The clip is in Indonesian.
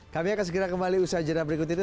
kami akan segera kembali usaha jadwal berikut ini